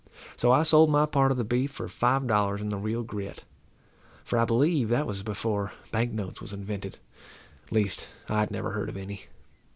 So I sold my part of the beef for five dollars in the real grit, for I believe that was before bank notes was invented; at least, I had never heard of any.